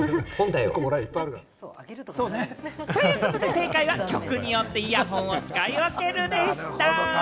正解は、曲によってイヤホンを使い分けるでした。